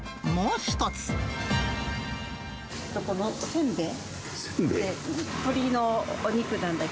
このせんべい。